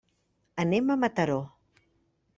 Anem a Mataró.